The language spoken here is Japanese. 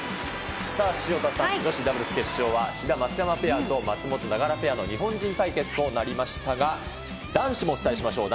さあ、潮田さん、女子ダブルス決勝は志田・松山ペアと松本・永原ペアの日本人対決となりましたが、男子もお伝えしましょう。